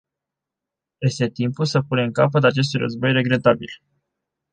Este timpul să punem capăt acestui război regretabil.